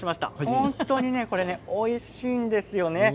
本当においしいですよね。